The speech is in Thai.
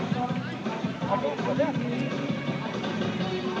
ตรงตรงตรง